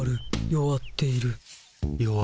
弱っている。